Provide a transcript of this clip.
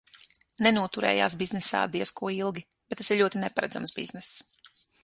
Nenoturējās biznesā diez ko ilgi, bet tas ir ļoti neparedzams bizness.